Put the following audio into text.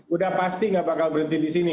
udah pasti nggak bakal berhenti di sini